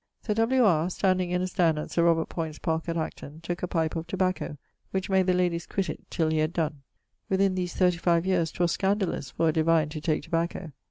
Sir W. R., standing in a stand at Sir Robert Poyntz' parke at Acton, tooke a pipe of tobacco, which made the ladies quitt it till he had donne. Within these 35 years 'twas scandalous for a divine to take tobacco.